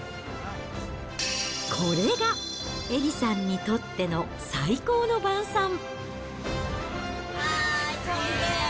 これが、エリさんにとっての最高の晩さん。